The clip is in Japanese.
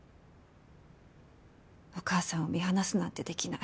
お母さんを見放すなんてできない。